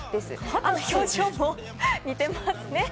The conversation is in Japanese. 表情も似てますね。